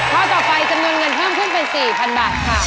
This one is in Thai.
ข้อต่อไปจำนวนเงินเพิ่มขึ้นเป็น๔๐๐๐บาทค่ะ